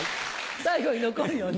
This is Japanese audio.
最後に残るよね。